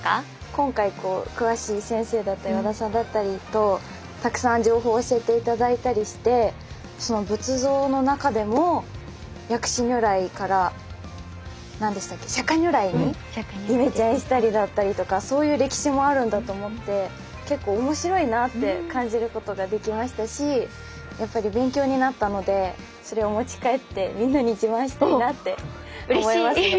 今回詳しい先生だったり和田さんだったりとたくさん情報教えて頂いたりして仏像の中でも薬師如来から何でしたっけ釈如来にイメチェンしたりだったりとかそういう歴史もあるんだと思って結構面白いなって感じることができましたしやっぱり勉強になったのでそれを持ち帰ってみんなに自慢したいなって思いますね。